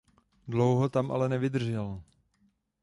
Dlouho tam ale nevydržel.